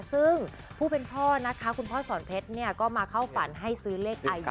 ซึ่งผู้เป็นพ่อนะคะคุณพ่อสอนเพชรก็มาเข้าฝันให้ซื้อเลขอายุ